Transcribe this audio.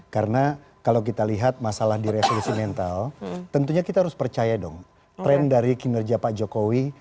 karena kalau kita lihat masalah di revolusi mental tentunya kita harus percaya dong tren dari kinerja pak jokowi